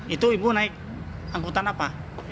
itu ibu naik angkutan apa